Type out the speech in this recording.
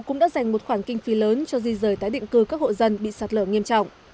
cũng đã dành một khoản kinh phí lớn cho di rời tái định cư các hộ dân bị sạt lở nghiêm trọng